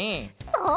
そう！